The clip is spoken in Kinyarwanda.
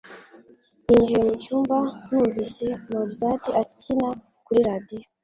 Ninjiye mucyumba numvise Mozart akina kuri radio